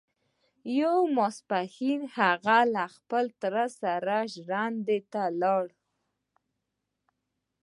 يو ماسپښين هغه له خپل تره سره ژرندې ته لاړ.